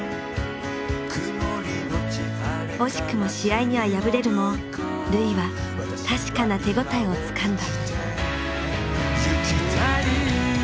惜しくも試合には敗れるも瑠唯は確かな手応えをつかんだ。